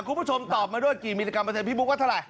คุณผู้ชมตอบมาด้วยกี่มิลลิกรัเปอร์พี่บุ๊คว่าเท่าไห